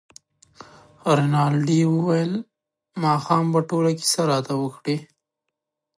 رینالډي وویل ماښام به ټوله کیسه راته وکړې.